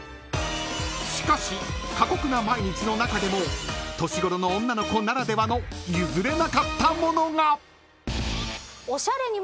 ［しかし過酷な毎日の中でも年頃の女の子ならではの譲れなかったものが！］